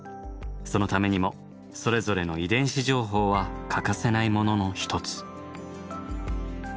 そのためにもそれぞれの遺伝子情報は欠かせないものの一つ。